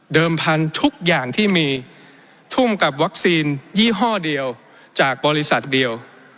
พันธุ์ทุกอย่างที่มีทุ่มกับวัคซีนยี่ห้อเดียวจากบริษัทเดียว